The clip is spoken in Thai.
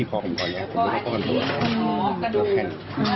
สำคัญปกครับ